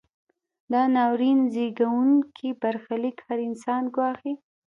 دا ناورین زیږوونکی برخلیک هر انسان ګواښي.